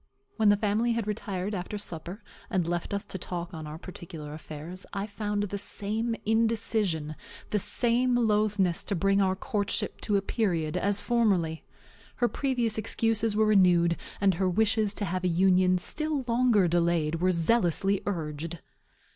When the family had retired after supper, and left us to talk on our particular affairs, I found the same indecision, the same loathness to bring our courtship to a period, as formerly. Her previous excuses were renewed, and her wishes to have a union still longer delayed were zealously urged.